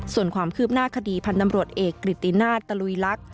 ส่วนความคืบหน้าคดีพันธ์ตำรวจเอกกฤตินาศตะลุยลักษณ์